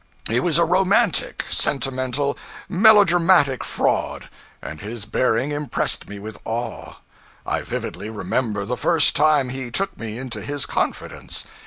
He was a romantic, sentimental, melodramatic fraud, and his bearing impressed me with awe. I vividly remember the first time he took me into his confidence.